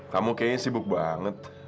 kamu kayaknya sibuk banget